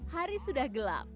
hari sudah gelap